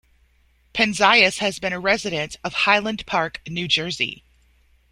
Penzias has been a resident of Highland Park, New Jersey.